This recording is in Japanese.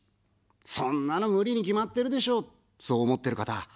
そんなの無理に決まってるでしょ、そう思ってる方。